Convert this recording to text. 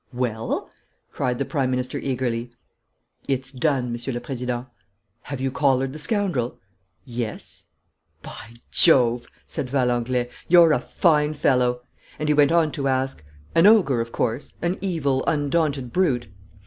"Well?" cried the Prime Minister eagerly. "It's done, Monsieur le Président." "Have you collared the scoundrel?" "Yes." "By Jove!" said Valenglay. "You're a fine fellow!" And he went on to ask, "An ogre, of course? An evil, undaunted brute?